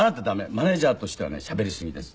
マネジャーとしてはねしゃべりすぎです。